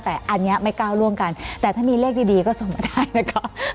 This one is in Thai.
แต่อันนี้ไม่ก้าวร่วมกันแต่ถ้ามีเลขดีก็ส่งมาได้นะคะ